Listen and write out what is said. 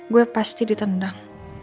gue pasti ditendang